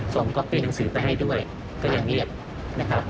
ก๊อปปี้หนังสือไปให้ด้วยก็ยังเงียบนะครับ